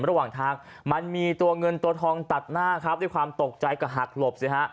ระหว่างทางมันมีตัวเงินตัวทองตัดหน้าครับด้วยความตกใจก็หักหลบสิฮะ